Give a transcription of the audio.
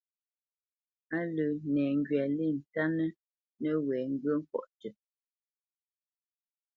Á lə́ nɛŋgywa lê ntánə́ nəwɛ̌ ŋgyə̂ ŋkɔ̌ tʉ́.